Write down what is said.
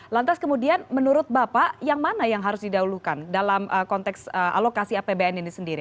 lantas kemudian menurut bapak yang mana yang harus didahulukan dalam konteks alokasi apbn ini sendiri